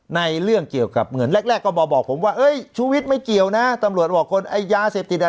ในเรื่องเกี่ยวกับเงินแรกก็บอกผมว่าชุวิตไม่เกี่ยวนะตำรวจบอกคนไอ้ยาเสพติดา